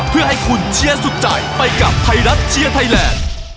เพื่อให้คุณเชียร์สุดใจไปกับไทยรัฐเชียร์ไทยแลนด์